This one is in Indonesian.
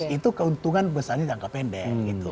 itu keuntungan besarnya jangka pendek